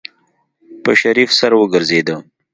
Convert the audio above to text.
په شريف سر وګرځېده.